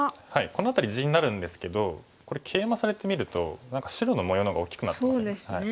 この辺り地になるんですけどこれケイマされてみると何か白の模様の方が大きくなってますよね。